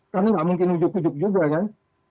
karena tidak mungkin ujuk ujuk juga kan